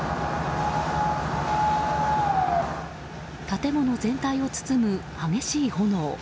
建物全体を包む激しい炎。